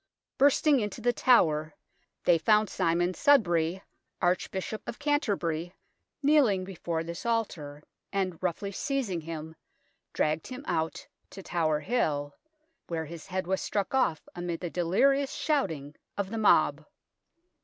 Bursting into The Tower, they found Simon Sudbury, Arch bishop of Canterbury, kneeling before this altar, and, roughly seizing him, dragged him out to Tower Hill, where his head was struck off amid the delirious shouting of the mob.